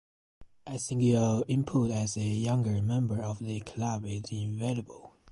I think your input as a younger member of the club is invaluable